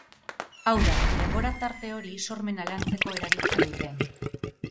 Hau da, denbora tarte hori sormena lantzeko erabiltzen dute.